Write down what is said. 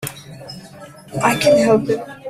I can help him!